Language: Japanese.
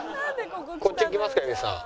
こっち行きますか蛭子さん。